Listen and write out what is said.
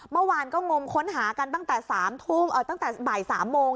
เมื่อวานก็งมค้นหากันตั้งแต่๓ทุ่มตั้งแต่บ่าย๓โมง